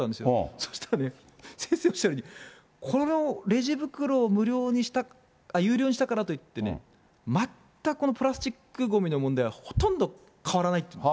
そうしたらね、先生、おっしゃるように、このレジ袋を有料にしたからといって、全くこのプラスチックごみの問題はほとんど変わらないって言うの。